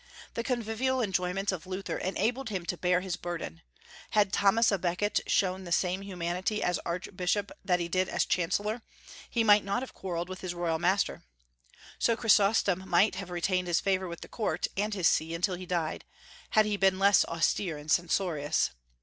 The convivial enjoyments of Luther enabled him to bear his burden. Had Thomas à Becket shown the same humanity as archbishop that he did as chancellor, he might not have quarrelled with his royal master. So Chrysostom might have retained his favor with the court and his see until he died, had he been less austere and censorious.